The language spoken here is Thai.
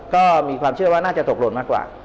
ก็มีความเชื่อว่าน่าจะตกหล่นมากกว่า